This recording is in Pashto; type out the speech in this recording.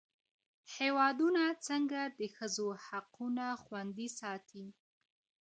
هیوادونه څنګه د ښځو حقونه خوندي ساتي؟